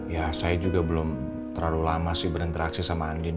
ya saya juga belum terlalu lama sih berinteraksi sama andin